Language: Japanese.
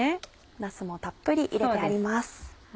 なすもたっぷり入れてあります。